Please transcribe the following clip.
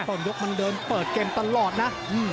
ต้นยกมันเดินเปิดเกมตลอดนะ